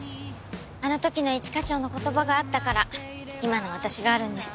あの時の一課長の言葉があったから今の私があるんです。